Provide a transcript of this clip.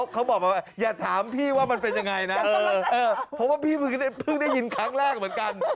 เขาบอกมาว่าอย่าถามพี่ว่ามันเป็นยังไงนะเพราะว่าพี่เพิ่งได้ยินครั้งแรกเหมือนกัน